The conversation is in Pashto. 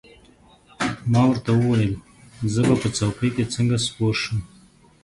ما ورته وویل: زه به په څوکۍ کې څنګه سپور شم؟